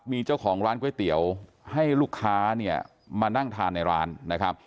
มีเจ้าของร้านก๋วยเตี๋ยวให้ลูกค้าเนี่ยมานั่งทานในร้านนะครับ